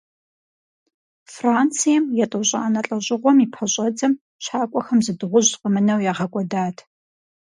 Францием, етӀощӀанэ лӀэжьыгъуэм и пэщӀэдзэм, щакӏуэхэм зы дыгъужь къэмынэу, ягъэкӀуэдат.